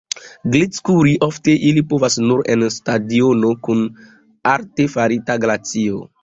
Glitkuri ofte ili povas nur en stadiono kun artefarita glacio.